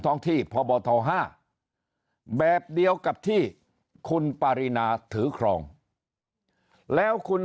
ท้องที่พบท๕แบบเดียวกับที่คุณปารีนาถือครองแล้วคุณ